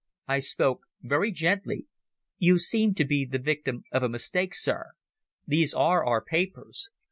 I spoke very gently. "You seem to be the victim of a mistake, sir. These are our papers.